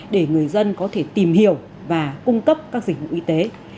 để người dân có thể tìm hiểu và cung cấp các dịch vụ y tế